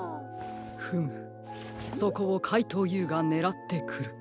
フムそこをかいとうＵがねらってくる。